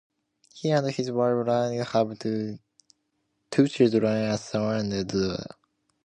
He and his wife Laurie have two children, a son and a daughter.